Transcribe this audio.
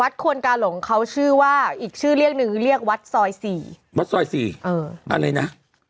ตรงนั้นแหละ